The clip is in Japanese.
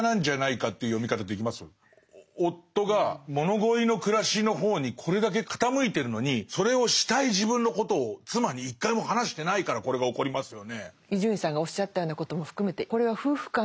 夫が物乞いの暮らしの方にこれだけ傾いてるのにそれをしたい自分のことを妻に一回も話してないからこれが起こりますよね。